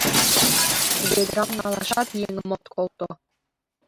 Ведрам налашат еҥым от колто!